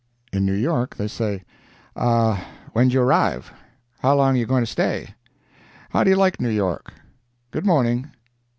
In New York they say: "Ah, when'd you arrive?—How long you going to stay?—How do you like New York?—Good morning."